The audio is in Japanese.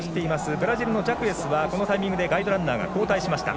ブラジルのジャクエスはこのタイミングでガイドランナーが交代しました。